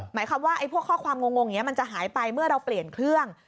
หมายความว่าพวกข้อความงงอย่างนี้มันจะหายไปเมื่อเราเปลี่ยนเครื่อง